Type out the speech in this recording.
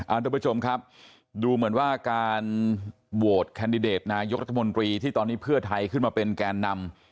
ทุกผู้ชมครับดูเหมือนว่าการโหวตแคนดิเดตนายกรัฐมนตรีที่ตอนนี้เพื่อไทยขึ้นมาเป็นแกนนำ